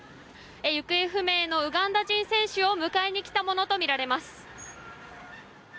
行方不明のウガンダ人選手を迎えに来たものとみられます。